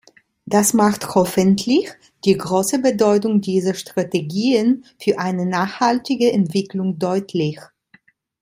Das macht hoffentlich die große Bedeutung dieser Strategien für eine nachhaltige Entwicklung deutlich.